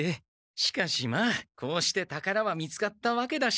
しかしまあこうしてたからは見つかったわけだし。